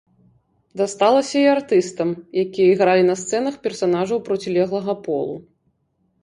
Дасталася і артыстам, якія ігралі на сцэнах персанажаў процілеглага полу.